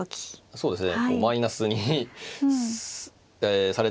そうですね